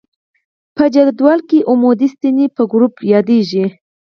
په جدول کې عمودي ستنې په ګروپ یادیږي.